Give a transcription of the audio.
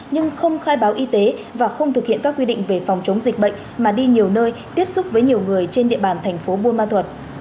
nhưng không khai báo y tế và không thực hiện các quy định về phòng chống dịch bệnh mà đi nhiều nơi tiếp xúc với nhiều người trên địa bàn thành phố buôn ma thuật